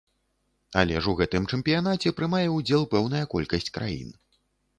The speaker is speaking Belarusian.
Але ж у гэтым чэмпіянаце прымае ўдзел пэўная колькасць краін.